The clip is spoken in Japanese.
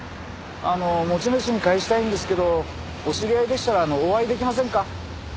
あの持ち主に返したいんですけどお知り合いでしたらお会いできませんか？